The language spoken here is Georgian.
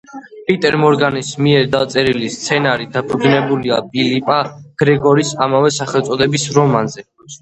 პიტერ მორგანის მიერ დაწერილი სცენარი დაფუძნებულია ფილიპა გრეგორის ამავე სახელწოდების რომანზე.